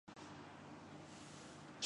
مستحق سزا تو تھانے والی ہونی چاہیے۔